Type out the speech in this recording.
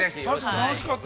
◆楽しかった。